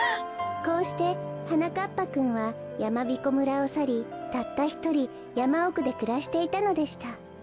こうしてはなかっぱくんはやまびこ村をさりたったひとりやまおくでくらしていたのでした。